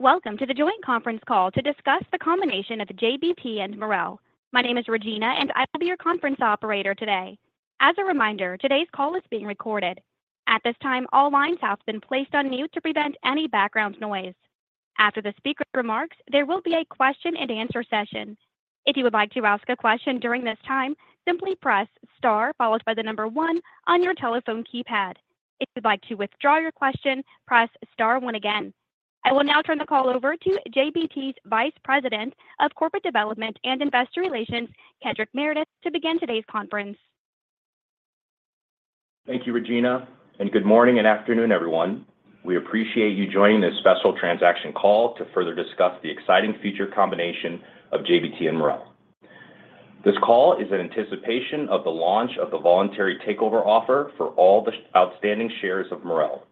Welcome to the joint conference call to discuss the combination of JBT and Marel. My name is Regina, and I will be your conference operator today. As a reminder, today's call is being recorded. At this time, all lines have been placed on mute to prevent any background noise. After the speaker remarks, there will be a question-and-answer session. If you would like to ask a question during this time, simply press star followed by the number one on your telephone keypad. If you'd like to withdraw your question, press star one again. I will now turn the call over to JBT's Vice President of Corporate Development and Investor Relations, Kedric Meredith, to begin today's conference. Thank you, Regina. Good morning and afternoon, everyone. We appreciate you joining this special transaction call to further discuss the exciting future combination of JBT and Marel. This call is in anticipation of the launch of the voluntary takeover offer for all the outstanding shares of Marel.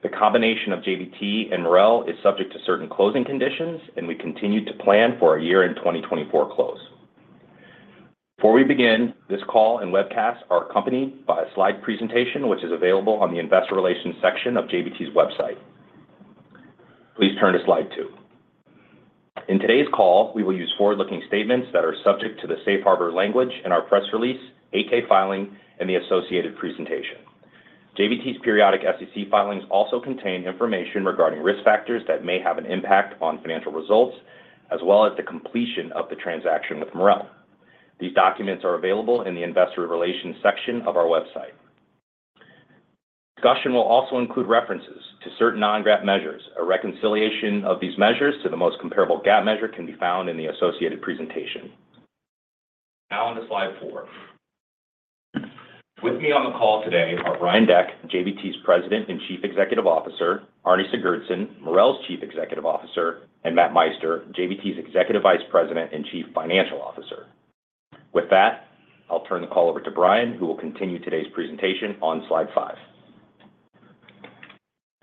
The combination of JBT and Marel is subject to certain closing conditions, and we continue to plan for a year-end 2024 close. Before we begin, this call and webcast are accompanied by a slide presentation which is available on the Investor Relations section of JBT's website. Please turn to slide 2. In today's call, we will use forward-looking statements that are subject to the safe harbor language in our press release, 8-K filing, and the associated presentation. JBT's periodic SEC filings also contain information regarding risk factors that may have an impact on financial results, as well as the completion of the transaction with Marel. These documents are available in the Investor Relations section of our website. Discussion will also include references to certain non-GAAP measures. A reconciliation of these measures to the most comparable GAAP measure can be found in the associated presentation. Now, on to slide four. With me on the call today are Brian Deck, JBT's President and Chief Executive Officer, Árni Sigurðsson, Marel's Chief Executive Officer, and Matt Meister, JBT's Executive Vice President and Chief Financial Officer. With that, I'll turn the call over to Brian, who will continue today's presentation on slide five.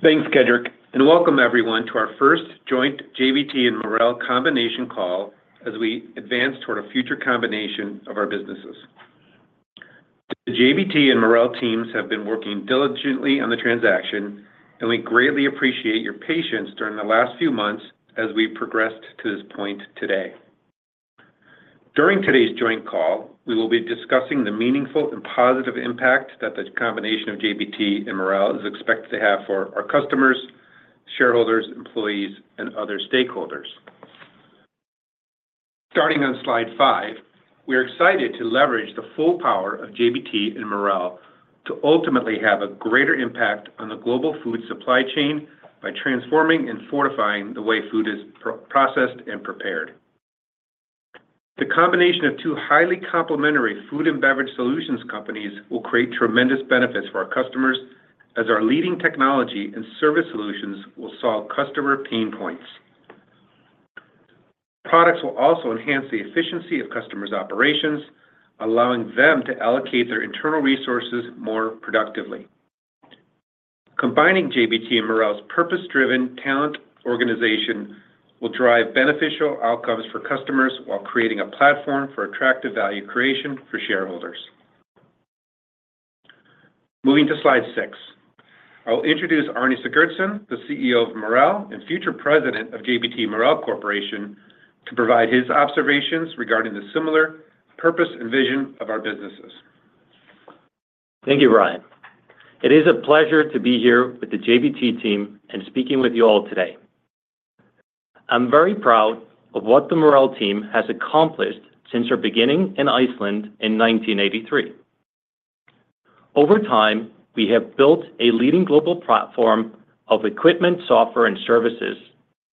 Thanks, Kedric. Welcome, everyone, to our first joint JBT and Marel combination call as we advance toward a future combination of our businesses. The JBT and Marel teams have been working diligently on the transaction, and we greatly appreciate your patience during the last few months as we progressed to this point today. During today's joint call, we will be discussing the meaningful and positive impact that the combination of JBT and Marel is expected to have for our customers, shareholders, employees, and other stakeholders. Starting on slide five, we are excited to leverage the full power of JBT and Marel to ultimately have a greater impact on the global food supply chain by transforming and fortifying the way food is processed and prepared. The combination of two highly complementary food and beverage solutions companies will create tremendous benefits for our customers as our leading technology and service solutions will solve customer pain points. Products will also enhance the efficiency of customers' operations, allowing them to allocate their internal resources more productively. Combining JBT and Marel's purpose-driven talent organization will drive beneficial outcomes for customers while creating a platform for attractive value creation for shareholders. Moving to slide six, I'll introduce Árni Sigurðsson, the CEO of Marel and future President of JBT Marel Corporation, to provide his observations regarding the similar purpose and vision of our businesses. Thank you, Brian. It is a pleasure to be here with the JBT team and speaking with you all today. I'm very proud of what the Marel team has accomplished since our beginning in Iceland in 1983. Over time, we have built a leading global platform of equipment, software, and services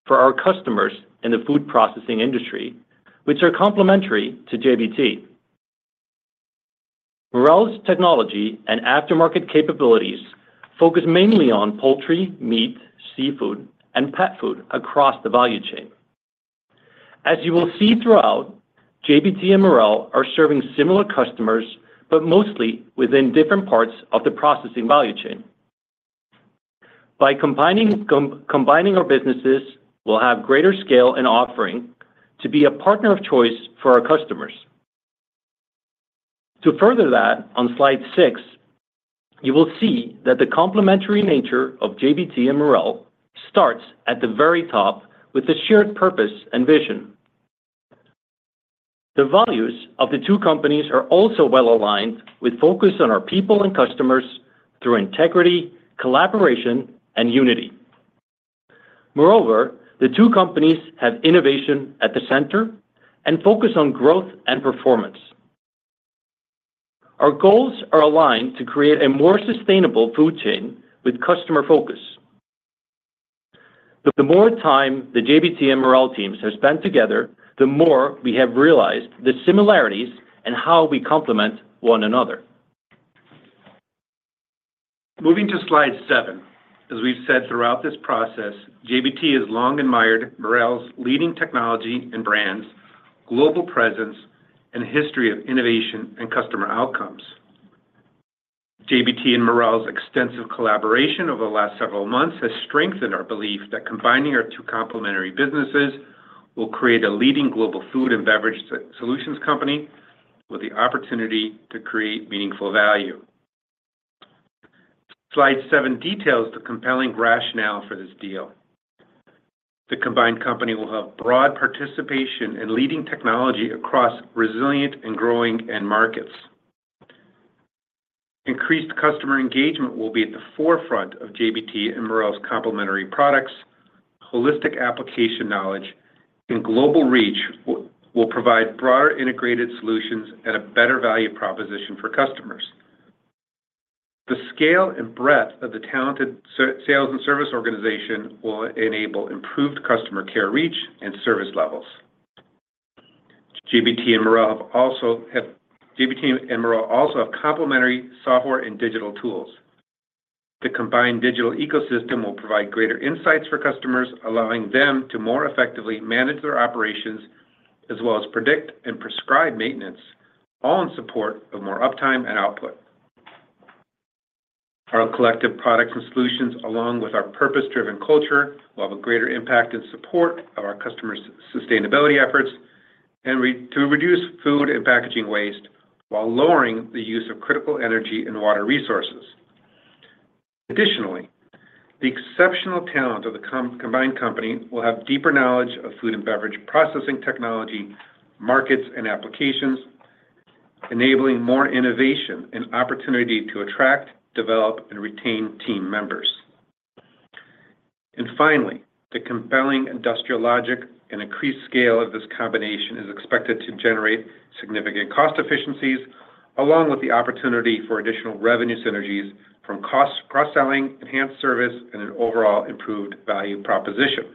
for our customers in the food processing industry, which are complementary to JBT. Marel's technology and aftermarket capabilities focus mainly on poultry, meat, seafood, and pet food across the value chain. As you will see throughout, JBT and Marel are serving similar customers, but mostly within different parts of the processing value chain. By combining our businesses, we'll have greater scale and offering to be a partner of choice for our customers. To further that, on slide six, you will see that the complementary nature of JBT and Marel starts at the very top with the shared purpose and vision. The values of the two companies are also well aligned with focus on our people and customers through integrity, collaboration, and unity. Moreover, the two companies have innovation at the center and focus on growth and performance. Our goals are aligned to create a more sustainable food chain with customer focus. The more time the JBT and Marel teams have spent together, the more we have realized the similarities and how we complement one another. Moving to slide seven, as we've said throughout this process, JBT has long admired Marel's leading technology and brands, global presence, and history of innovation and customer outcomes. JBT and Marel's extensive collaboration over the last several months has strengthened our belief that combining our two complementary businesses will create a leading global food and beverage solutions company with the opportunity to create meaningful value. Slide seven details the compelling rationale for this deal. The combined company will have broad participation in leading technology across resilient and growing markets. Increased customer engagement will be at the forefront of JBT and Marel's complementary products. Holistic application knowledge and global reach will provide broader integrated solutions and a better value proposition for customers. The scale and breadth of the talented sales and service organization will enable improved customer care reach and service levels. JBT and Marel also have complementary software and digital tools. The combined digital ecosystem will provide greater insights for customers, allowing them to more effectively manage their operations, as well as predict and prescribe maintenance, all in support of more uptime and output. Our collective products and solutions, along with our purpose-driven culture, will have a greater impact and support of our customers' sustainability efforts and to reduce food and packaging waste while lowering the use of critical energy and water resources. Additionally, the exceptional talent of the combined company will have deeper knowledge of food and beverage processing technology, markets, and applications, enabling more innovation and opportunity to attract, develop, and retain team members. Finally, the compelling industrial logic and increased scale of this combination is expected to generate significant cost efficiencies, along with the opportunity for additional revenue synergies from cross-selling, enhanced service, and an overall improved value proposition.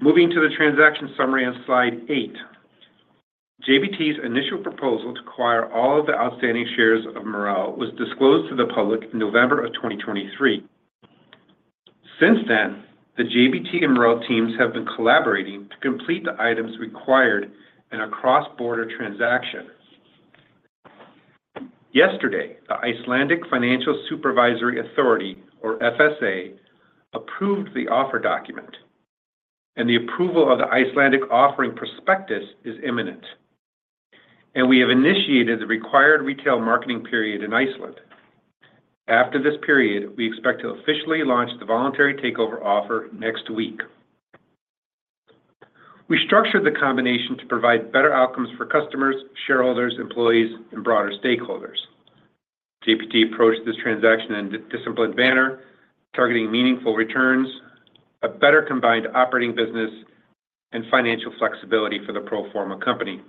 Moving to the transaction summary on slide 8, JBT's initial proposal to acquire all of the outstanding shares of Marel was disclosed to the public in November of 2023. Since then, the JBT and Marel teams have been collaborating to complete the items required in a cross-border transaction. Yesterday, the Icelandic Financial Supervisory Authority, or FSA, approved the offer document, and the approval of the Icelandic offering prospectus is imminent. We have initiated the required retail marketing period in Iceland. After this period, we expect to officially launch the voluntary takeover offer next week. We structured the combination to provide better outcomes for customers, shareholders, employees, and broader stakeholders. JBT approached this transaction in a disciplined manner, targeting meaningful returns, a better combined operating business, and financial flexibility for the pro forma company.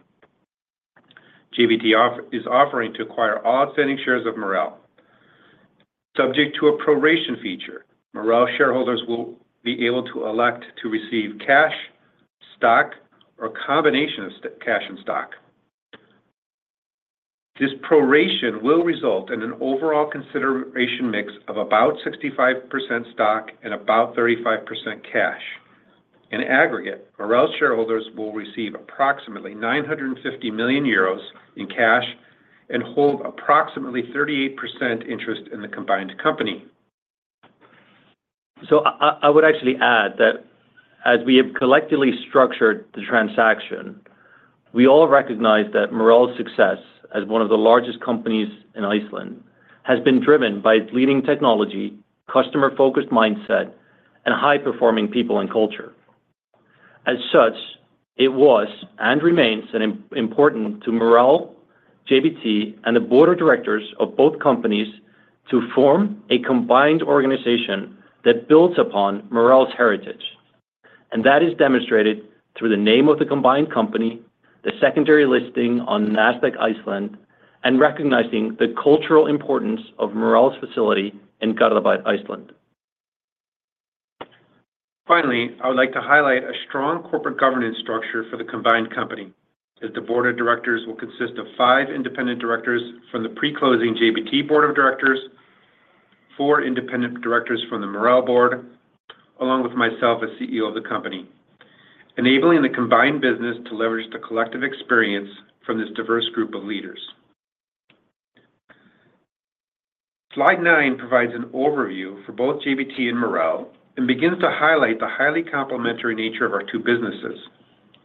JBT is offering to acquire all outstanding shares of Marel. Subject to a proration feature, Marel shareholders will be able to elect to receive cash, stock, or a combination of cash and stock. This proration will result in an overall consideration mix of about 65% stock and about 35% cash. In aggregate, Marel shareholders will receive approximately 950 million euros in cash and hold approximately 38% interest in the combined company. So I would actually add that as we have collectively structured the transaction, we all recognize that Marel's success as one of the largest companies in Iceland has been driven by its leading technology, customer-focused mindset, and high-performing people and culture. As such, it was and remains important to Marel, JBT, and the board of directors of both companies to form a combined organization that builds upon Marel's heritage. That is demonstrated through the name of the combined company, the secondary listing on Nasdaq Iceland, and recognizing the cultural importance of Marel's facility in Garðabær, Iceland. Finally, I would like to highlight a strong corporate governance structure for the combined company. The board of directors will consist of five independent directors from the pre-closing JBT board of directors, four independent directors from the Marel board, along with myself as CEO of the company, enabling the combined business to leverage the collective experience from this diverse group of leaders. Slide nine provides an overview for both JBT and Marel and begins to highlight the highly complementary nature of our two businesses,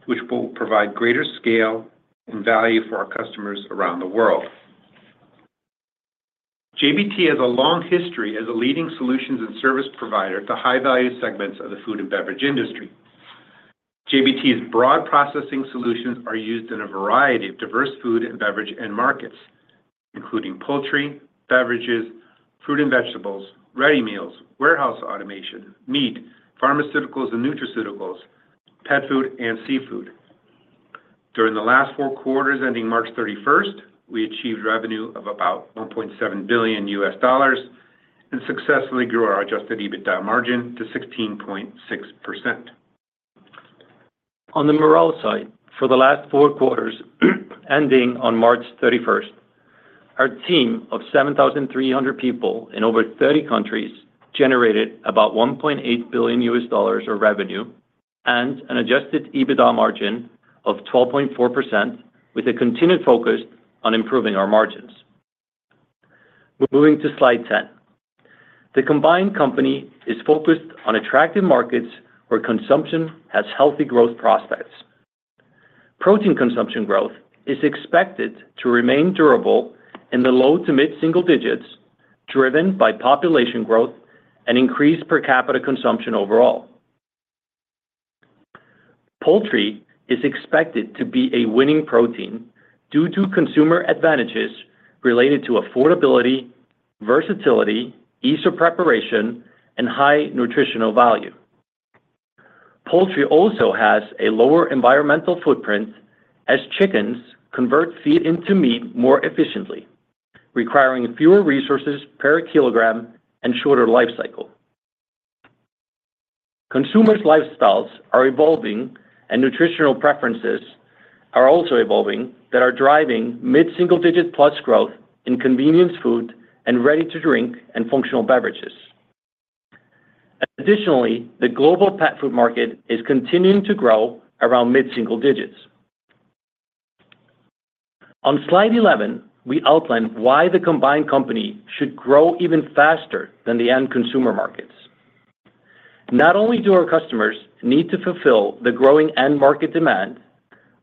which will provide greater scale and value for our customers around the world. JBT has a long history as a leading solutions and service provider to high-value segments of the food and beverage industry. JBT's broad processing solutions are used in a variety of diverse food and beverage end markets, including poultry, beverages, fruit and vegetables, ready meals, warehouse automation, meat, pharmaceuticals and nutraceuticals, pet food, and seafood. During the last four quarters ending March 31st, we achieved revenue of about $1.7 billion and successfully grew our Adjusted EBITDA margin to 16.6%. On the Marel side, for the last four quarters ending on March 31st, our team of 7,300 people in over 30 countries generated about $1.8 billion of revenue and an Adjusted EBITDA margin of 12.4%, with a continued focus on improving our margins. Moving to slide 10, the combined company is focused on attractive markets where consumption has healthy growth prospects. Protein consumption growth is expected to remain durable in the low to mid-single digits, driven by population growth and increased per capita consumption overall. Poultry is expected to be a winning protein due to consumer advantages related to affordability, versatility, ease of preparation, and high nutritional value. Poultry also has a lower environmental footprint as chickens convert feed into meat more efficiently, requiring fewer resources per kilogram and shorter life cycle. Consumers' lifestyles are evolving, and nutritional preferences are also evolving that are driving mid-single-digit+ growth in convenience food and ready-to-drink and functional beverages. Additionally, the global pet food market is continuing to grow around mid-single digits. On slide 11, we outlined why the combined company should grow even faster than the end consumer markets. Not only do our customers need to fulfill the growing end market demand,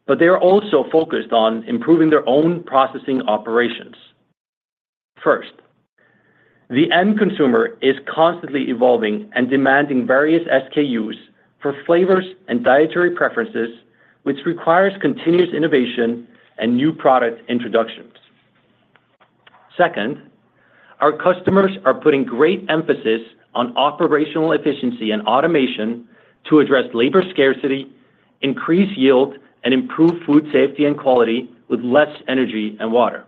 but they are also focused on improving their own processing operations. First, the end consumer is constantly evolving and demanding various SKUs for flavors and dietary preferences, which requires continuous innovation and new product introductions. Second, our customers are putting great emphasis on operational efficiency and automation to address labor scarcity, increase yield, and improve food safety and quality with less energy and water.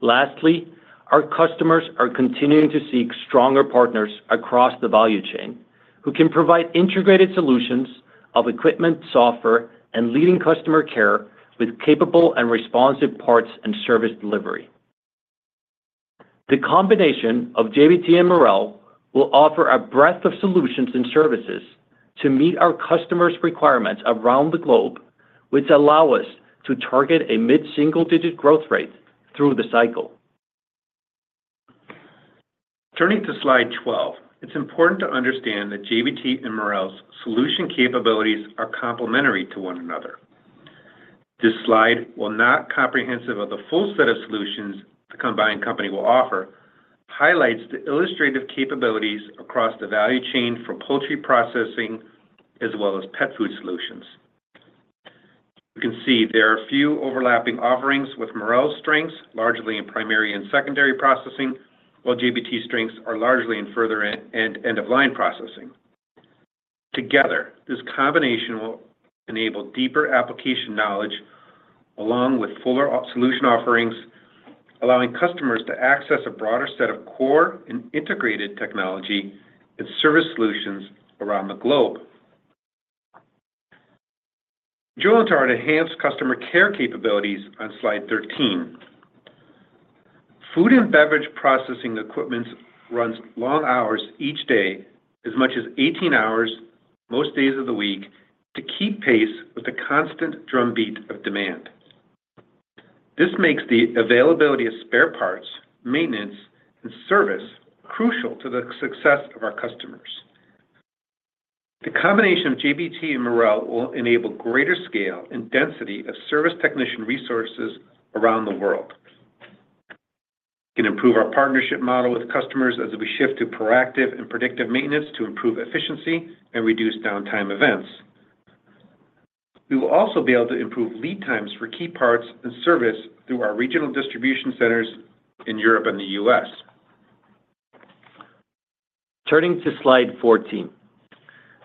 Lastly, our customers are continuing to seek stronger partners across the value chain who can provide integrated solutions of equipment, software, and leading customer care with capable and responsive parts and service delivery. The combination of JBT and Marel will offer a breadth of solutions and services to meet our customers' requirements around the globe, which allow us to target a mid-single digit growth rate through the cycle. Turning to slide 12, it's important to understand that JBT and Marel's solution capabilities are complementary to one another. This slide, while not comprehensive of the full set of solutions the combined company will offer, highlights the illustrative capabilities across the value chain for poultry processing as well as pet food solutions. You can see there are a few overlapping offerings with Marel's strengths largely in primary and secondary processing, while JBT's strengths are largely in further and end-of-line processing. Together, this combination will enable deeper application knowledge along with fuller solution offerings, allowing customers to access a broader set of core and integrated technology and service solutions around the globe. Let's turn to enhanced customer care capabilities on slide 13. Food and beverage processing equipment runs long hours each day, as much as 18 hours most days of the week, to keep pace with the constant drumbeat of demand. This makes the availability of spare parts, maintenance, and service crucial to the success of our customers. The combination of JBT and Marel will enable greater scale and density of service technician resources around the world. It can improve our partnership model with customers as we shift to proactive and predictive maintenance to improve efficiency and reduce downtime events. We will also be able to improve lead times for key parts and service through our regional distribution centers in Europe and the US. Turning to slide 14,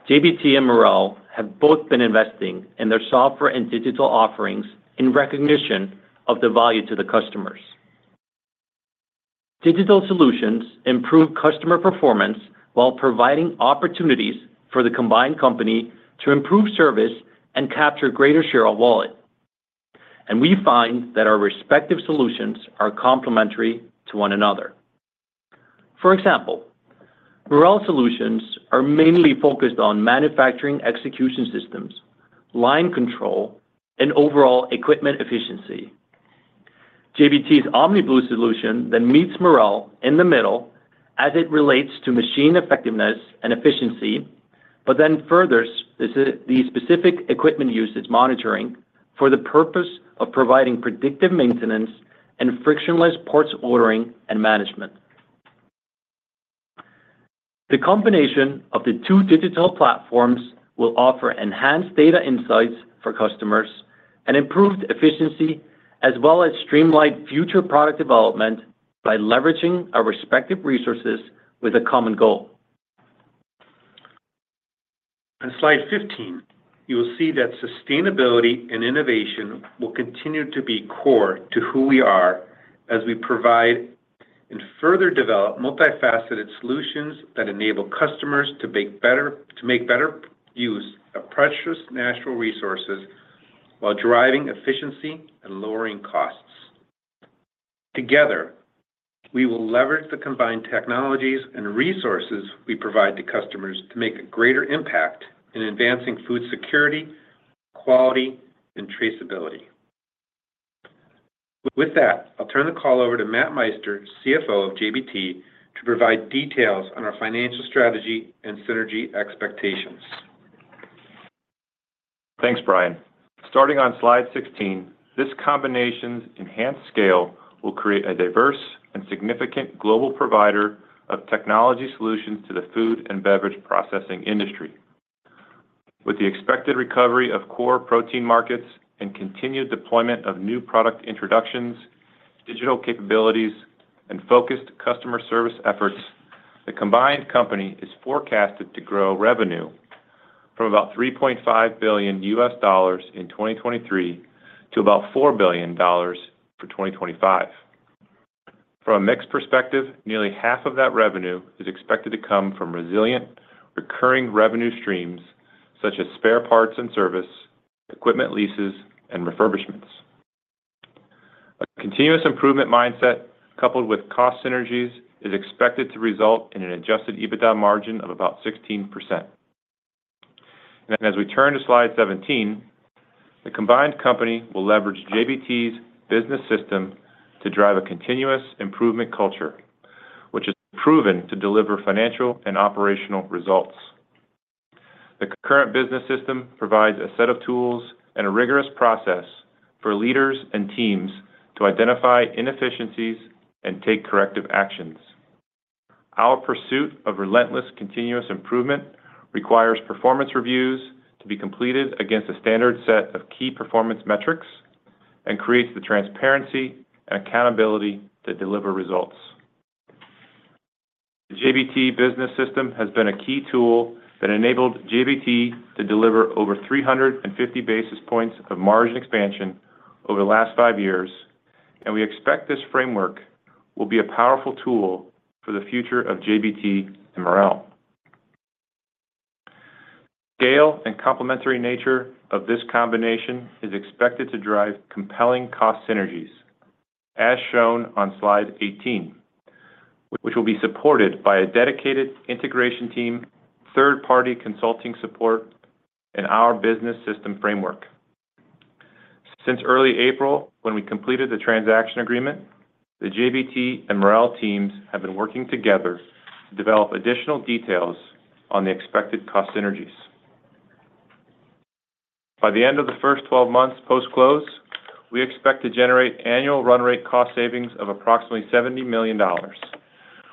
JBT and Marel have both been investing in their software and digital offerings in recognition of the value to the customers. Digital solutions improve customer performance while providing opportunities for the combined company to improve service and capture a greater share of wallet. We find that our respective solutions are complementary to one another. For example, Marel solutions are mainly focused on manufacturing execution systems, line control, and overall equipment effectiveness. JBT's OmniBlu solution then meets Marel in the middle as it relates to machine effectiveness and efficiency, but then furthers the specific equipment usage monitoring for the purpose of providing predictive maintenance and frictionless parts ordering and management. The combination of the two digital platforms will offer enhanced data insights for customers and improved efficiency, as well as streamlined future product development by leveraging our respective resources with a common goal. On slide 15, you will see that sustainability and innovation will continue to be core to who we are as we provide and further develop multifaceted solutions that enable customers to make better use of precious natural resources while driving efficiency and lowering costs. Together, we will leverage the combined technologies and resources we provide to customers to make a greater impact in advancing food security, quality, and traceability. With that, I'll turn the call over to Matt Meister, CFO of JBT, to provide details on our financial strategy and synergy expectations. Thanks, Brian. Starting on slide 16, this combination's enhanced scale will create a diverse and significant global provider of technology solutions to the food and beverage processing industry. With the expected recovery of core protein markets and continued deployment of new product introductions, digital capabilities, and focused customer service efforts, the combined company is forecasted to grow revenue from about $3.5 billion in 2023 to about $4 billion for 2025. From a mixed perspective, nearly half of that revenue is expected to come from resilient, recurring revenue streams such as spare parts and service, equipment leases, and refurbishments. A continuous improvement mindset coupled with cost synergies is expected to result in an Adjusted EBITDA margin of about 16%. As we turn to slide 17, the combined company will leverage JBT's Business System to drive a continuous improvement culture, which is proven to deliver financial and operational results. The current business system provides a set of tools and a rigorous process for leaders and teams to identify inefficiencies and take corrective actions. Our pursuit of relentless continuous improvement requires performance reviews to be completed against a standard set of key performance metrics and creates the transparency and accountability to deliver results. The JBT Business System has been a key tool that enabled JBT to deliver over 350 basis points of margin expansion over the last five years, and we expect this framework will be a powerful tool for the future of JBT and Marel. Scale and complementary nature of this combination is expected to drive compelling cost synergies, as shown on slide 18, which will be supported by a dedicated integration team, third-party consulting support, and our Business System framework. Since early April, when we completed the transaction agreement, the JBT and Marel teams have been working together to develop additional details on the expected cost synergies. By the end of the first 12 months post-close, we expect to generate annual run rate cost savings of approximately $70 million,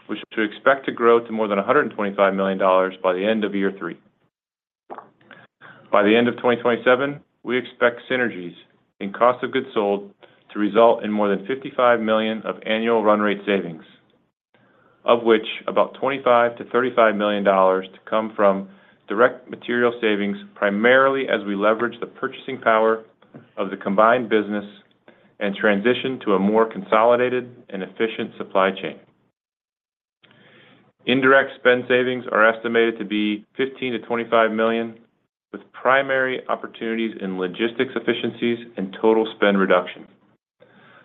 which we expect to grow to more than $125 million by the end of year three. By the end of 2027, we expect synergies in cost of goods sold to result in more than $55 million of annual run rate savings, of which about $25-$35 million to come from direct material savings, primarily as we leverage the purchasing power of the combined business and transition to a more consolidated and efficient supply chain. Indirect spend savings are estimated to be $15-$25 million, with primary opportunities in logistics efficiencies and total spend reduction.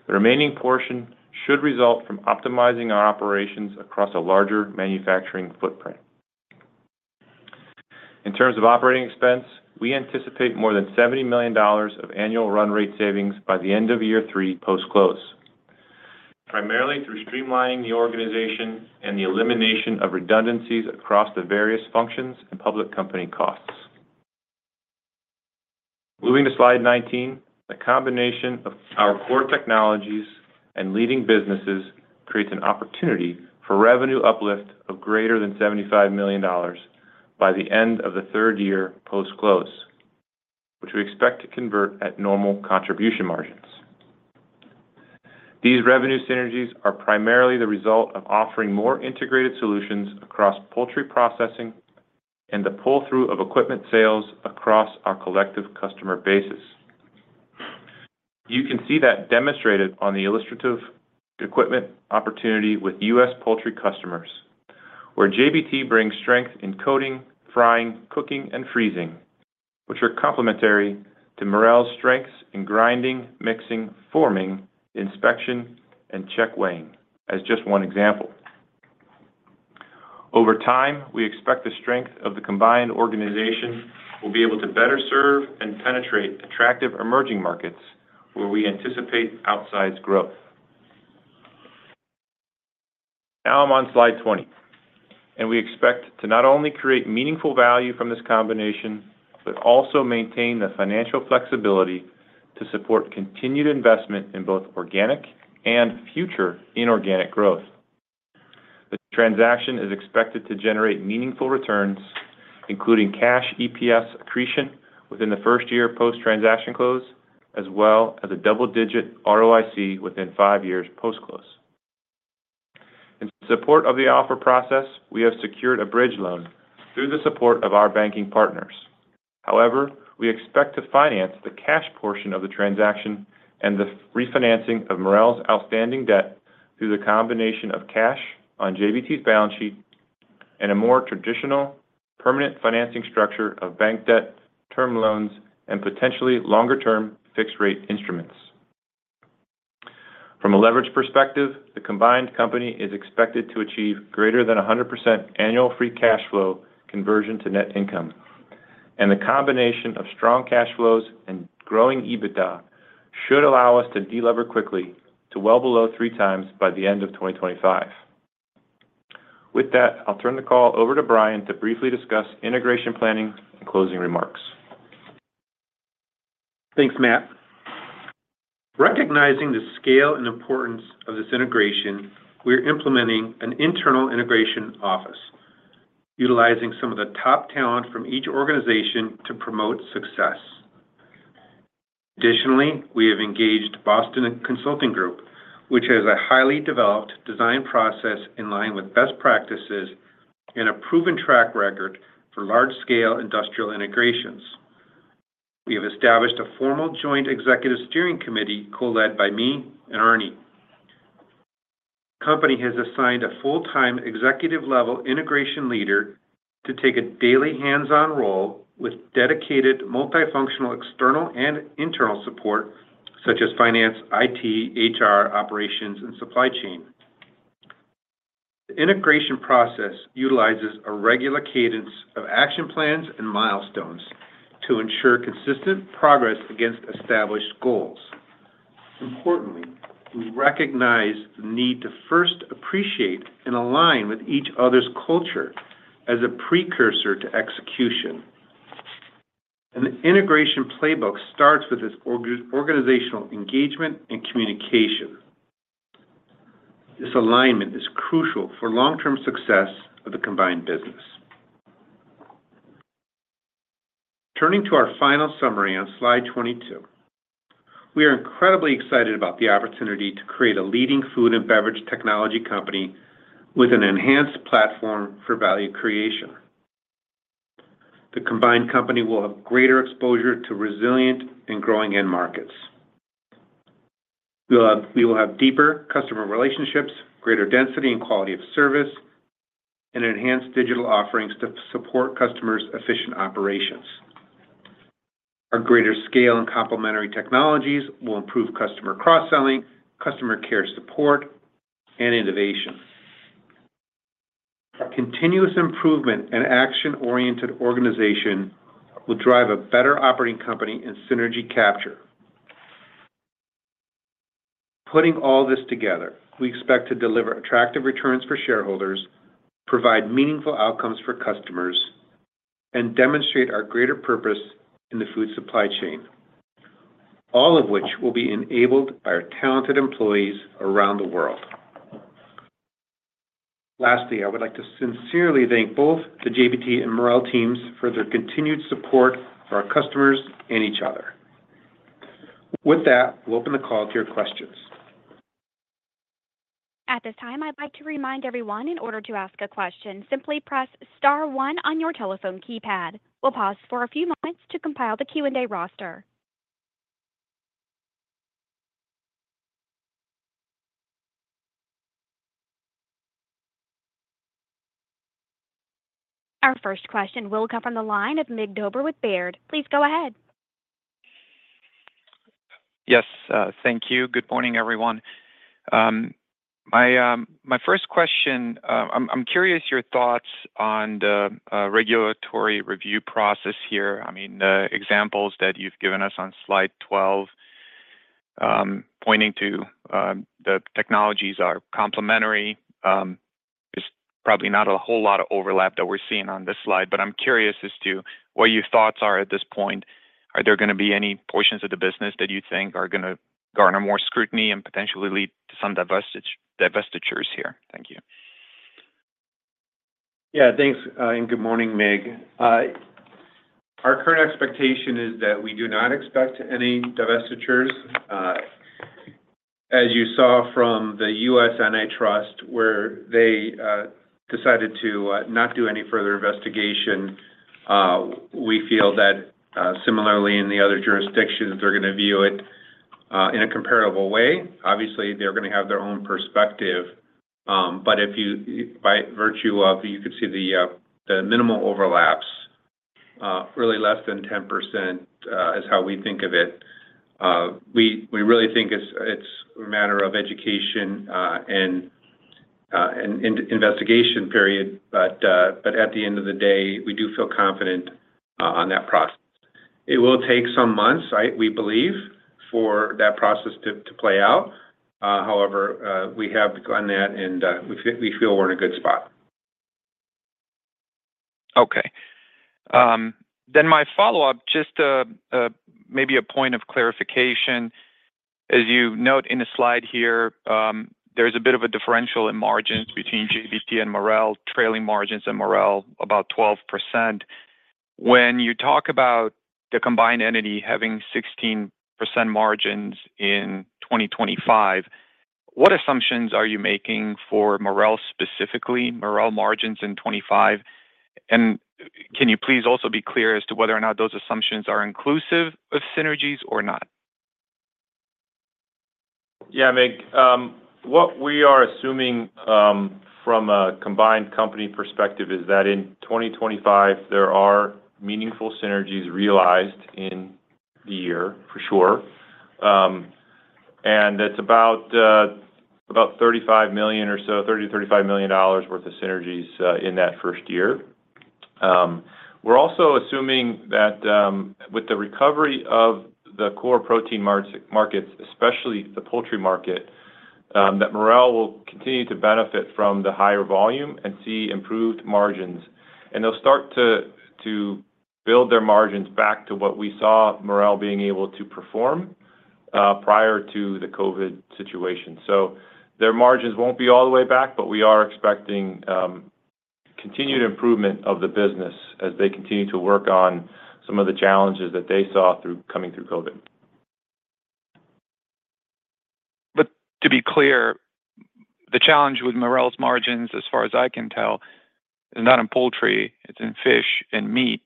The remaining portion should result from optimizing our operations across a larger manufacturing footprint. In terms of operating expense, we anticipate more than $70 million of annual run rate savings by the end of year three post-close, primarily through streamlining the organization and the elimination of redundancies across the various functions and public company costs. Moving to slide 19, the combination of our core technologies and leading businesses creates an opportunity for revenue uplift of greater than $75 million by the end of the third year post-close, which we expect to convert at normal contribution margins. These revenue synergies are primarily the result of offering more integrated solutions across poultry processing and the pull-through of equipment sales across our collective customer bases. You can see that demonstrated on the illustrative equipment opportunity with U.S. poultry customers, where JBT brings strength in coating, frying, cooking, and freezing, which are complementary to Marel's strengths in grinding, mixing, forming, inspection, and checkweighing as just one example. Over time, we expect the strength of the combined organization will be able to better serve and penetrate attractive emerging markets where we anticipate outsized growth. Now I'm on slide 20, and we expect to not only create meaningful value from this combination, but also maintain the financial flexibility to support continued investment in both organic and future inorganic growth. The transaction is expected to generate meaningful returns, including cash EPS accretion within the first year post-transaction close, as well as a double-digit ROIC within five years post-close. In support of the offer process, we have secured a bridge loan through the support of our banking partners. However, we expect to finance the cash portion of the transaction and the refinancing of Marel's outstanding debt through the combination of cash on JBT's balance sheet and a more traditional permanent financing structure of bank debt, term loans, and potentially longer-term fixed-rate instruments. From a leverage perspective, the combined company is expected to achieve greater than 100% annual free cash flow conversion to net income, and the combination of strong cash flows and growing EBITDA should allow us to delever quickly to well below three times by the end of 2025. With that, I'll turn the call over to Brian to briefly discuss integration planning and closing remarks. Thanks, Matt. Recognizing the scale and importance of this integration, we are implementing an internal integration office, utilizing some of the top talent from each organization to promote success. Additionally, we have engaged Boston Consulting Group, which has a highly developed design process in line with best practices and a proven track record for large-scale industrial integrations. We have established a formal joint executive steering committee co-led by me and Árni. The company has assigned a full-time executive-level integration leader to take a daily hands-on role with dedicated multifunctional external and internal support, such as finance, IT, HR, operations, and supply chain. The integration process utilizes a regular cadence of action plans and milestones to ensure consistent progress against established goals. Importantly, we recognize the need to first appreciate and align with each other's culture as a precursor to execution. An integration playbook starts with this organizational engagement and communication. This alignment is crucial for long-term success of the combined business. Turning to our final summary on slide 22, we are incredibly excited about the opportunity to create a leading food and beverage technology company with an enhanced platform for value creation. The combined company will have greater exposure to resilient and growing end markets. We will have deeper customer relationships, greater density and quality of service, and enhanced digital offerings to support customers' efficient operations. Our greater scale and complementary technologies will improve customer cross-selling, customer care support, and innovation. Our continuous improvement and action-oriented organization will drive a better operating company and synergy capture. Putting all this together, we expect to deliver attractive returns for shareholders, provide meaningful outcomes for customers, and demonstrate our greater purpose in the food supply chain, all of which will be enabled by our talented employees around the world. Lastly, I would like to sincerely thank both the JBT and Marel teams for their continued support for our customers and each other. With that, we'll open the call to your questions. At this time, I'd like to remind everyone, in order to ask a question, simply press Star one on your telephone keypad. We'll pause for a few moments to compile the Q&A roster. Our first question will come from the line of Mig Dobre with Baird. Please go ahead. Yes, thank you. Good morning, everyone. My first question, I'm curious your thoughts on the regulatory review process here. I mean, the examples that you've given us on slide 12, pointing to the technologies are complementary, there's probably not a whole lot of overlap that we're seeing on this slide, but I'm curious as to what your thoughts are at this point. Are there going to be any portions of the business that you think are going to garner more scrutiny and potentially lead to some divestitures here? Thank you. Yeah, thanks, and good morning, Mig. Our current expectation is that we do not expect any divestitures. As you saw from the U.S. antitrust, where they decided to not do any further investigation, we feel that similarly in the other jurisdictions, they're going to view it in a comparable way. Obviously, they're going to have their own perspective, but by virtue of you could see the minimal overlaps, really less than 10% is how we think of it. We really think it's a matter of education and investigation, period. But at the end of the day, we do feel confident on that process. It will take some months, we believe, for that process to play out. However, we have begun that, and we feel we're in a good spot. Okay. Then my follow-up, just maybe a point of clarification. As you note in the slide here, there's a bit of a differential in margins between JBT and Marel, trailing margins and Marel about 12%. When you talk about the combined entity having 16% margins in 2025, what assumptions are you making for Marel specifically, Marel margins in 2025? And can you please also be clear as to whether or not those assumptions are inclusive of synergies or not? Yeah, Mig. What we are assuming from a combined company perspective is that in 2025, there are meaningful synergies realized in the year, for sure. That's about $35 million or so, $30-$35 million worth of synergies in that first year. We're also assuming that with the recovery of the core protein markets, especially the poultry market, that Marel will continue to benefit from the higher volume and see improved margins. They'll start to build their margins back to what we saw Marel being able to perform prior to the COVID situation. Their margins won't be all the way back, but we are expecting continued improvement of the business as they continue to work on some of the challenges that they saw coming through COVID. To be clear, the challenge with Marel's margins, as far as I can tell, is not in poultry. It's in fish and meat.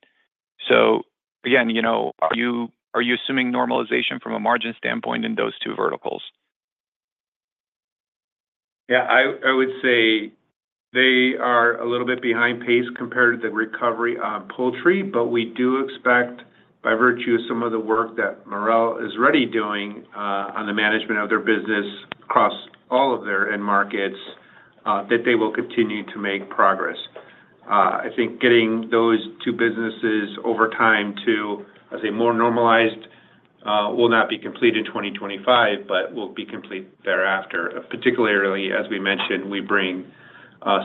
Again, are you assuming normalization from a margin standpoint in those two verticals? Yeah, I would say they are a little bit behind pace compared to the recovery of poultry, but we do expect, by virtue of some of the work that Marel is already doing on the management of their business across all of their end markets, that they will continue to make progress. I think getting those two businesses over time to, I'd say, more normalized will not be complete in 2025, but will be complete thereafter, particularly, as we mentioned, we bring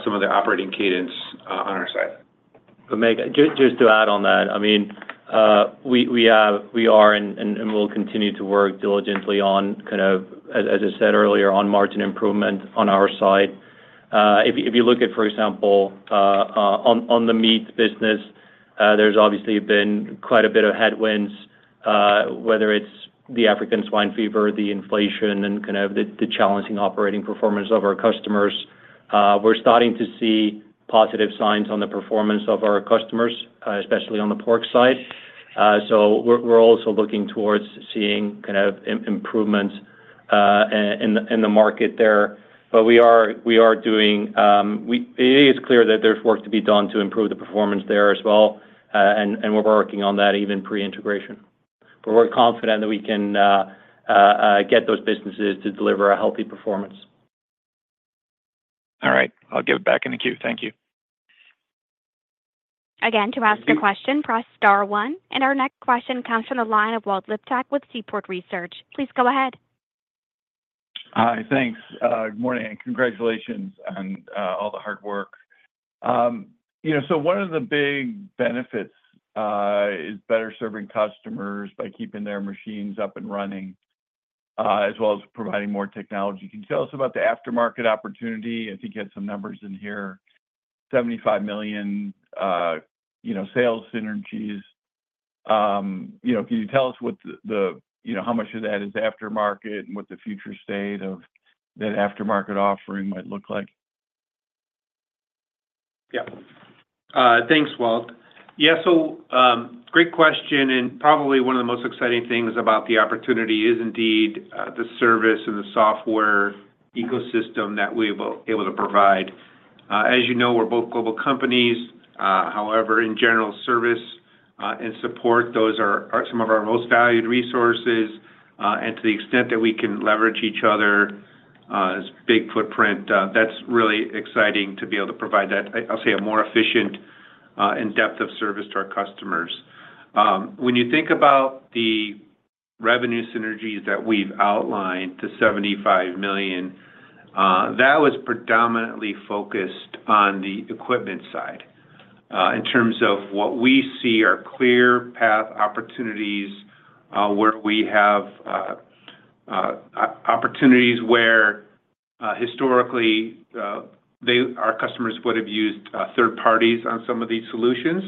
some of the operating cadence on our side. But Mig, just to add on that, I mean, we are and will continue to work diligently on, kind of, as I said earlier, on margin improvement on our side. If you look at, for example, on the meat business, there's obviously been quite a bit of headwinds, whether it's the African swine fever, the inflation, and kind of the challenging operating performance of our customers. We're starting to see positive signs on the performance of our customers, especially on the pork side. So we're also looking towards seeing kind of improvements in the market there. But we are doing it is clear that there's work to be done to improve the performance there as well, and we're working on that even pre-integration. But we're confident that we can get those businesses to deliver a healthy performance. All right. I'll get back in a queue. Thank you. Again, to ask a question, press Star 1. Our next question comes from the line of Walt Liptak with Seaport Research. Please go ahead. Hi, thanks. Good morning, and congratulations on all the hard work. So one of the big benefits is better serving customers by keeping their machines up and running, as well as providing more technology. Can you tell us about the aftermarket opportunity? I think you had some numbers in here, $75 million sales synergies. Can you tell us how much of that is aftermarket and what the future state of that aftermarket offering might look like? Yeah. Thanks, Walt. Yeah, so great question. And probably one of the most exciting things about the opportunity is indeed the service and the software ecosystem that we will be able to provide. As you know, we're both global companies. However, in general, service and support, those are some of our most valued resources. And to the extent that we can leverage each other's big footprint, that's really exciting to be able to provide that, I'll say, a more efficient and depth of service to our customers. When you think about the revenue synergies that we've outlined, the $75 million, that was predominantly focused on the equipment side in terms of what we see are clear path opportunities where we have opportunities where historically our customers would have used third parties on some of these solutions.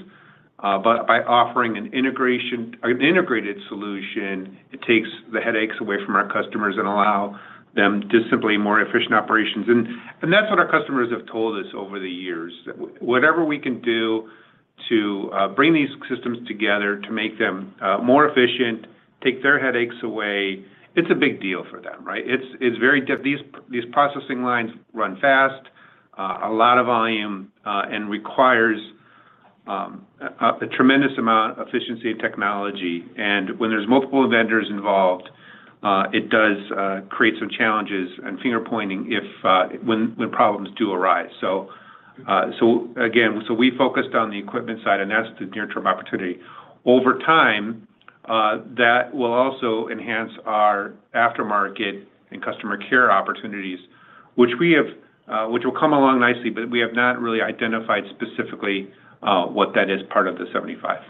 But by offering an integrated solution, it takes the headaches away from our customers and allows them to simply more efficient operations. That's what our customers have told us over the years, that whatever we can do to bring these systems together to make them more efficient, take their headaches away, it's a big deal for them, right? These processing lines run fast, a lot of volume, and require a tremendous amount of efficiency and technology. When there's multiple vendors involved, it does create some challenges and finger-pointing when problems do arise. Again, we focused on the equipment side, and that's the near-term opportunity. Over time, that will also enhance our aftermarket and customer care opportunities, which will come along nicely, but we have not really identified specifically what that is part of the $75.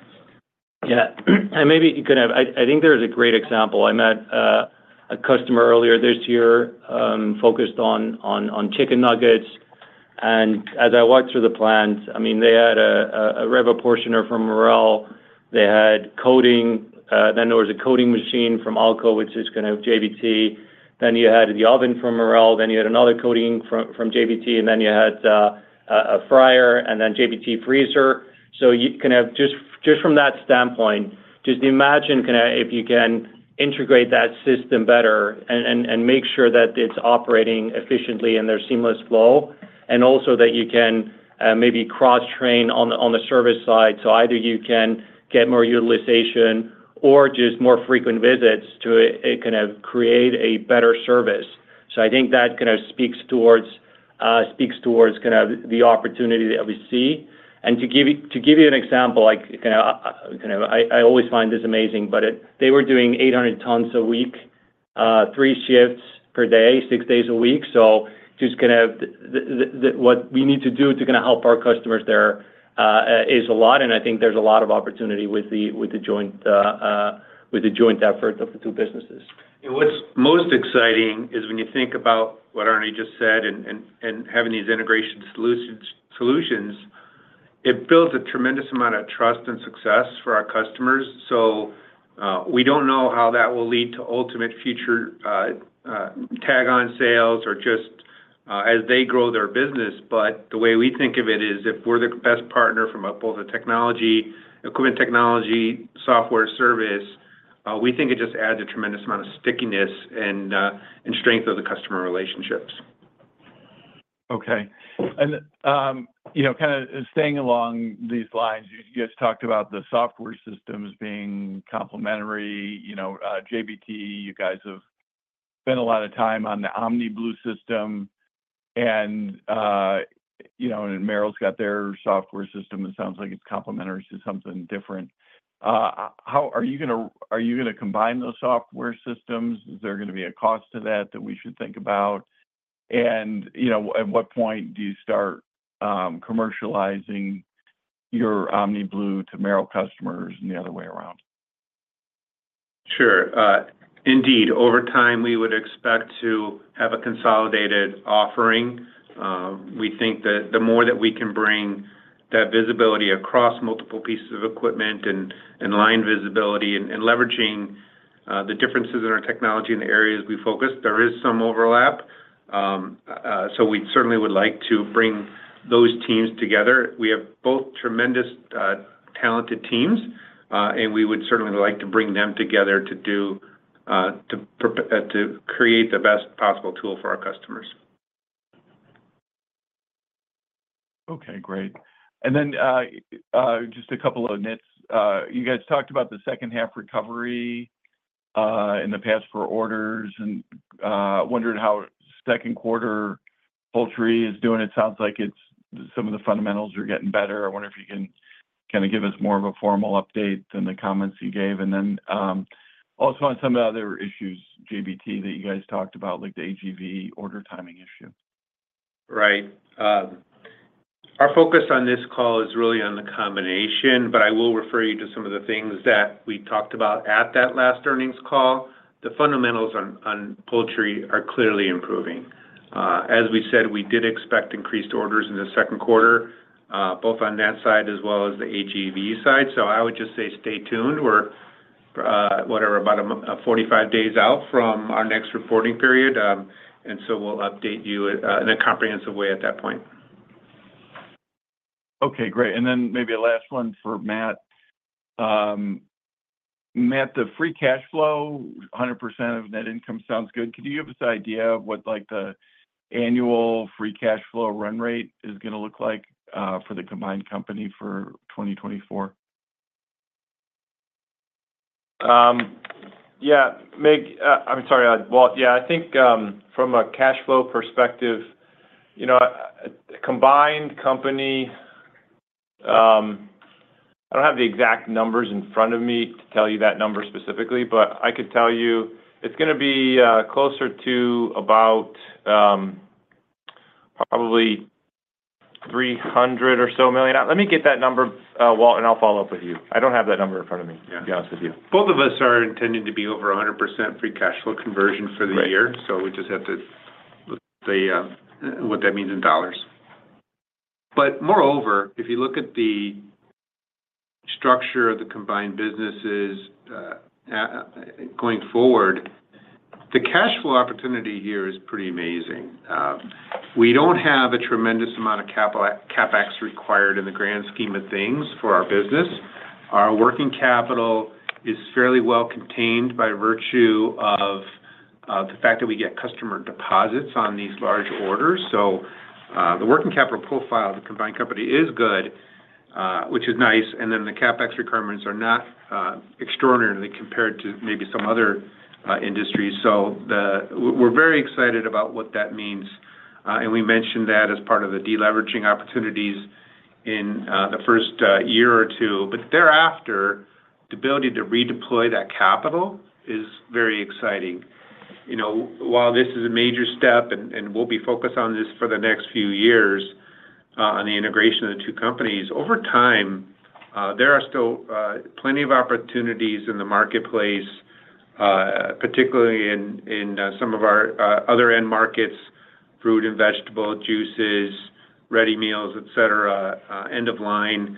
Yeah. And maybe you could have. I think there's a great example. I met a customer earlier this year focused on chicken nuggets. And as I walked through the plants, I mean, they had a RevoPortioner from Marel. They had coating. Then there was a coating machine from Alco, which is kind of JBT. Then you had the oven from Marel. Then you had another coating from JBT. And then you had a fryer and then JBT freezer. So kind of just from that standpoint, just imagine kind of if you can integrate that system better and make sure that it's operating efficiently in their seamless flow, and also that you can maybe cross-train on the service side. So either you can get more utilization or just more frequent visits to kind of create a better service. So I think that kind of speaks towards kind of the opportunity that we see. And to give you an example, kind of I always find this amazing, but they were doing 800 tons a week, three shifts per day, six days a week. So just kind of what we need to do to kind of help our customers there is a lot. And I think there's a lot of opportunity with the joint effort of the two businesses. What's most exciting is when you think about what Árni just said and having these integration solutions, it builds a tremendous amount of trust and success for our customers. So we don't know how that will lead to ultimate future tag-on sales or just as they grow their business. But the way we think of it is if we're the best partner from both a technology, equipment technology, software service, we think it just adds a tremendous amount of stickiness and strength of the customer relationships. Okay. And kind of staying along these lines, you just talked about the software systems being complementary. JBT, you guys have spent a lot of time on the OmniBlu system. And Marel's got their software system. It sounds like it's complementary to something different. Are you going to combine those software systems? Is there going to be a cost to that that we should think about? And at what point do you start commercializing your OmniBlu to Marel customers and the other way around? Sure. Indeed. Over time, we would expect to have a consolidated offering. We think that the more that we can bring that visibility across multiple pieces of equipment and line visibility and leveraging the differences in our technology in the areas we focus, there is some overlap. So we certainly would like to bring those teams together. We have both tremendous talented teams, and we would certainly like to bring them together to create the best possible tool for our customers. Okay, great. And then just a couple of nits. You guys talked about the second-half recovery in the past for orders and wondered how second quarter poultry is doing. It sounds like some of the fundamentals are getting better. I wonder if you can kind of give us more of a formal update than the comments you gave. And then also on some of the other issues, JBT that you guys talked about, like the AGV order timing issue. Right. Our focus on this call is really on the combination, but I will refer you to some of the things that we talked about at that last earnings call. The fundamentals on poultry are clearly improving. As we said, we did expect increased orders in the second quarter, both on that side as well as the AGV side. So I would just say stay tuned. We're whatever, about 45 days out from our next reporting period. And so we'll update you in a comprehensive way at that point. Okay, great. And then maybe a last one for Matt. Matt, the free cash flow, 100% of net income sounds good. Could you give us an idea of what the annual free cash flow run rate is going to look like for the combined company for 2024? Yeah. I'm sorry, Walt. Yeah, I think from a cash flow perspective, combined company, I don't have the exact numbers in front of me to tell you that number specifically, but I could tell you it's going to be closer to about probably $300 million or so. Let me get that number, Walt, and I'll follow up with you. I don't have that number in front of me, to be honest with you. Both of us are intending to be over 100% free cash flow conversion for the year. So we just have to look at what that means in dollars. But moreover, if you look at the structure of the combined businesses going forward, the cash flow opportunity here is pretty amazing. We don't have a tremendous amount of CapEx required in the grand scheme of things for our business. Our working capital is fairly well contained by virtue of the fact that we get customer deposits on these large orders. So the working capital profile of the combined company is good, which is nice. And then the CapEx requirements are not extraordinary compared to maybe some other industries. So we're very excited about what that means. And we mentioned that as part of the deleveraging opportunities in the first year or two. But thereafter, the ability to redeploy that capital is very exciting. While this is a major step, and we'll be focused on this for the next few years on the integration of the two companies, over time, there are still plenty of opportunities in the marketplace, particularly in some of our other end markets, fruit and vegetable juices, ready meals, etc., end of line,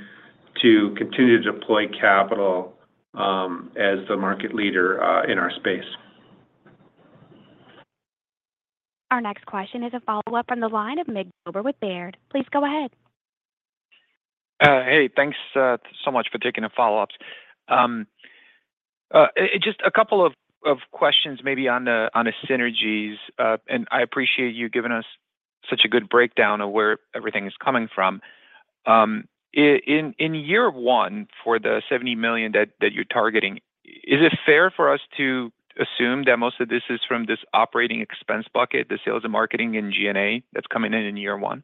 to continue to deploy capital as the market leader in our space. Our next question is a follow-up on the line of Mig Dobre with Baird. Please go ahead. Hey, thanks so much for taking the follow-ups. Just a couple of questions maybe on the synergies. I appreciate you giving us such a good breakdown of where everything is coming from. In year one for the $70 million that you're targeting, is it fair for us to assume that most of this is from this operating expense bucket, the sales and marketing and G&A that's coming in in year one?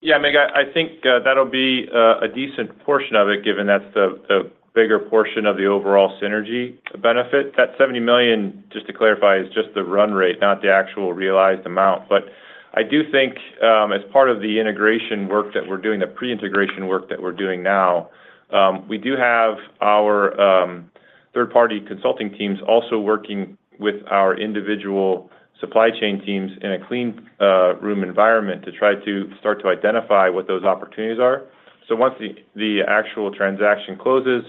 Yeah, Mig, I think that'll be a decent portion of it, given that's the bigger portion of the overall synergy benefit. That $70 million, just to clarify, is just the run rate, not the actual realized amount. But I do think as part of the integration work that we're doing, the pre-integration work that we're doing now, we do have our third-party consulting teams also working with our individual supply chain teams in a clean room environment to try to start to identify what those opportunities are. So once the actual transaction closes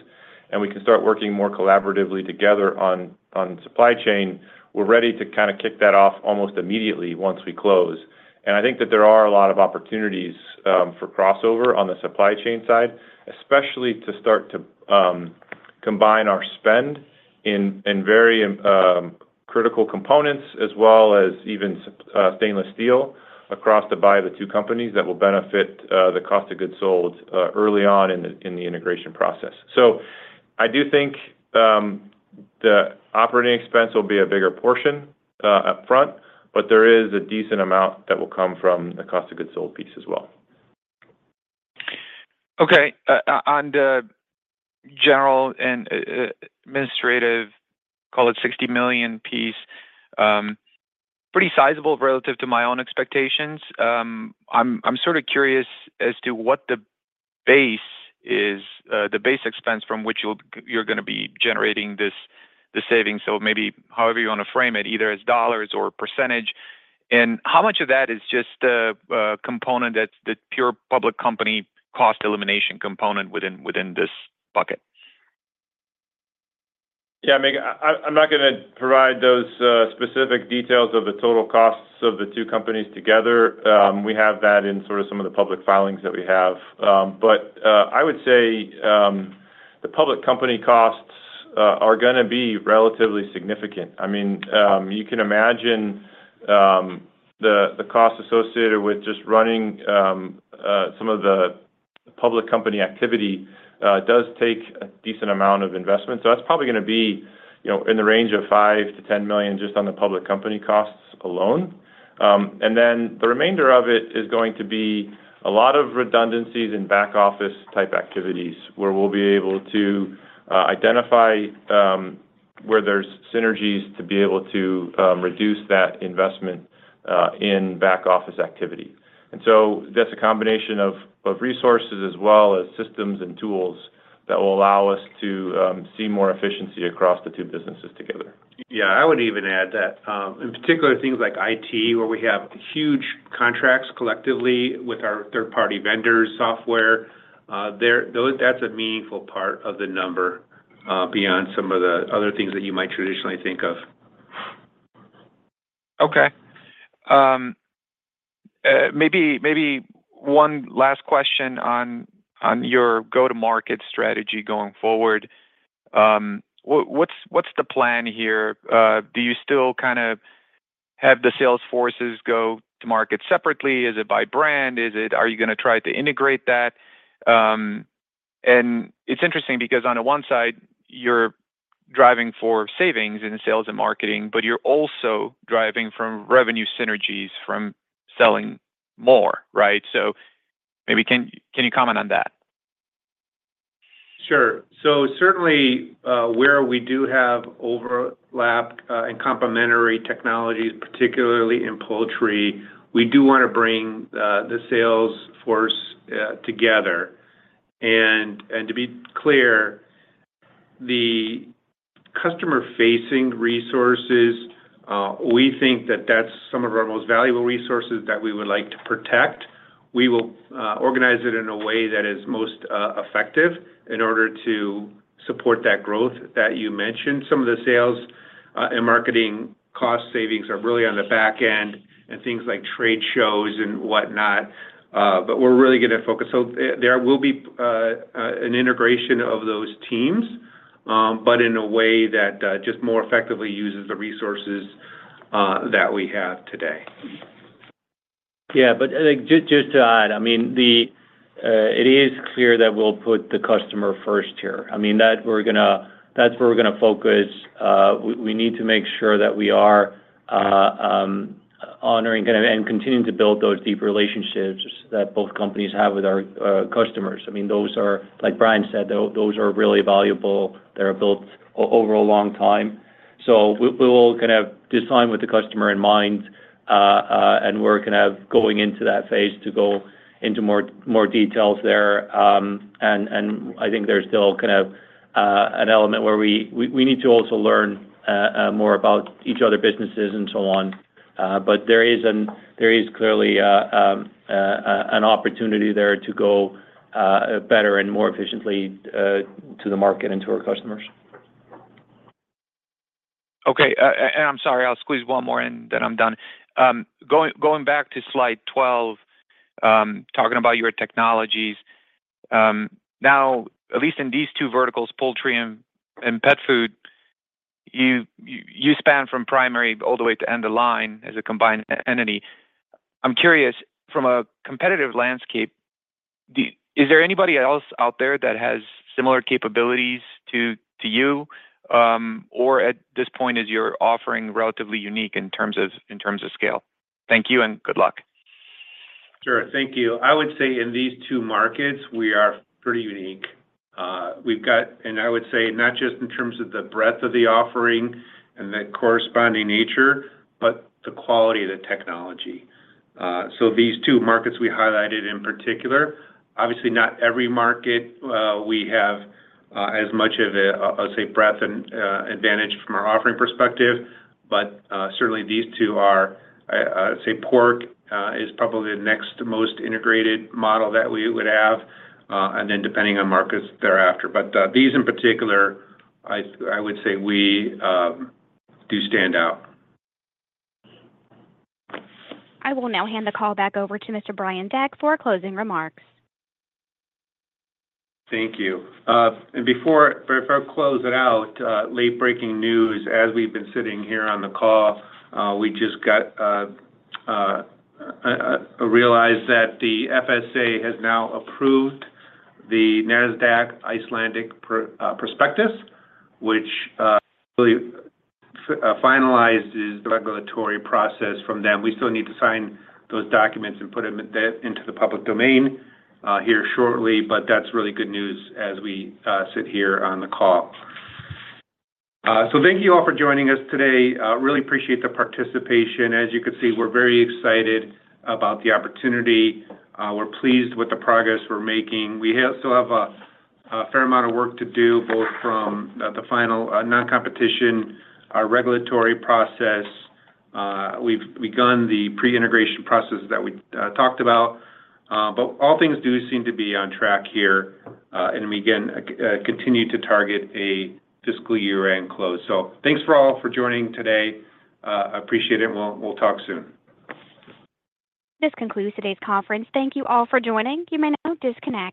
and we can start working more collaboratively together on supply chain, we're ready to kind of kick that off almost immediately once we close. I think that there are a lot of opportunities for crossover on the supply chain side, especially to start to combine our spend in very critical components, as well as even stainless steel across the buy of the two companies that will benefit the cost of goods sold early on in the integration process. I do think the operating expense will be a bigger portion upfront, but there is a decent amount that will come from the cost of goods sold piece as well. Okay. On the general and administrative, call it $60 million piece, pretty sizable relative to my own expectations. I'm sort of curious as to what the base is, the base expense from which you're going to be generating this saving. So maybe however you want to frame it, either as dollars or percentage. How much of that is just a component that's the pure public company cost elimination component within this bucket? Yeah, Mig, I'm not going to provide those specific details of the total costs of the two companies together. We have that in sort of some of the public filings that we have. But I would say the public company costs are going to be relatively significant. I mean, you can imagine the cost associated with just running some of the public company activity does take a decent amount of investment. So that's probably going to be in the range of $5 million-$10 million just on the public company costs alone. And then the remainder of it is going to be a lot of redundancies and back office type activities where we'll be able to identify where there's synergies to be able to reduce that investment in back office activity. So that's a combination of resources as well as systems and tools that will allow us to see more efficiency across the two businesses together. Yeah, I would even add that. In particular, things like IT, where we have huge contracts collectively with our third-party vendors' software, that's a meaningful part of the number beyond some of the other things that you might traditionally think of. Okay. Maybe one last question on your go-to-market strategy going forward. What's the plan here? Do you still kind of have the sales forces go to market separately? Is it by brand? Are you going to try to integrate that? And it's interesting because on the one side, you're driving for savings in sales and marketing, but you're also driving from revenue synergies from selling more, right? So maybe can you comment on that? Sure. So certainly where we do have overlap and complementary technologies, particularly in poultry, we do want to bring the sales force together. And to be clear, the customer-facing resources, we think that that's some of our most valuable resources that we would like to protect. We will organize it in a way that is most effective in order to support that growth that you mentioned. Some of the sales and marketing cost savings are really on the back end and things like trade shows and whatnot. But we're really going to focus. So there will be an integration of those teams, but in a way that just more effectively uses the resources that we have today. Yeah, but just to add, I mean, it is clear that we'll put the customer first here. I mean, that's where we're going to focus. We need to make sure that we are honoring and continuing to build those deep relationships that both companies have with our customers. I mean, like Brian said, those are really valuable. They're built over a long time. So we will kind of design with the customer in mind, and we're kind of going into that phase to go into more details there. And I think there's still kind of an element where we need to also learn more about each other's businesses and so on. But there is clearly an opportunity there to go better and more efficiently to the market and to our customers. Okay. And I'm sorry, I'll squeeze one more in, then I'm done. Going back to slide 12, talking about your technologies, now, at least in these two verticals, poultry and pet food, you span from primary all the way to end the line as a combined entity. I'm curious, from a competitive landscape, is there anybody else out there that has similar capabilities to you? Or at this point, is your offering relatively unique in terms of scale? Thank you and good luck. Sure. Thank you. I would say in these two markets, we are pretty unique. And I would say not just in terms of the breadth of the offering and the corresponding nature, but the quality of the technology. So these two markets we highlighted in particular, obviously not every market we have as much of a breadth and advantage from our offering perspective, but certainly these two are. I'd say pork is probably the next most integrated model that we would have, and then depending on markets thereafter. But these in particular, I would say we do stand out. I will now hand the call back over to Mr. Brian Deck for closing remarks. Thank you. Before I close it out, late-breaking news. As we've been sitting here on the call, we just realized that the FSA has now approved the Nasdaq Iceland prospectus, which really finalizes the regulatory process from them. We still need to sign those documents and put them into the public domain here shortly, but that's really good news as we sit here on the call. Thank you all for joining us today. Really appreciate the participation. As you can see, we're very excited about the opportunity. We're pleased with the progress we're making. We still have a fair amount of work to do, both from the final non-competition regulatory process. We've begun the pre-integration process that we talked about. All things do seem to be on track here. We can continue to target a fiscal year-end close. Thanks to all for joining today. I appreciate it, and we'll talk soon. This concludes today's conference. Thank you all for joining. You may now disconnect.